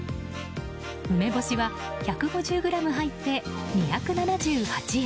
梅干しは１５０ｇ入って２７８円。